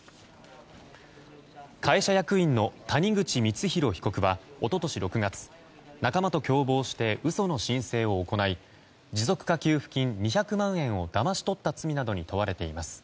会社役員の谷口光弘被告は一昨年６月仲間と共謀して嘘の申請を行い持続化給付金２００万円をだまし取った罪などに問われています。